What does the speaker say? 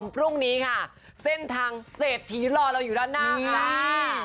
พรุ่งนี้ค่ะเส้นทางเศรษฐีรอเราอยู่ด้านหน้าจ้า